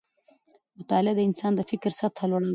مطالعه د انسان د فکر سطحه لوړه وي